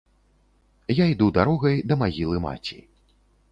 Я іду дарогай да магілы маці.